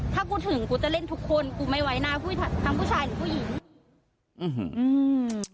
ถ้ากูถึงกูจะเล่นทุกคนกูไม่ไว้หน้าทั้งผู้ชายหรือผู้หญิงอืม